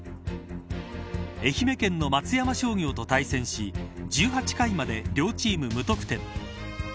愛媛県の松山商業と対戦し１８回まで両チーム無得点。